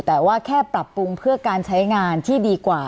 แต่ว่าแค่ปรับปรุงเพื่อการใช้งานที่ดีกว่า